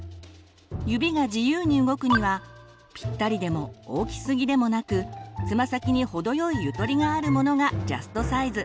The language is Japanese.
指が自由に動くにはぴったりでも大きすぎでもなくつま先に程よいゆとりがあるものがジャストサイズ。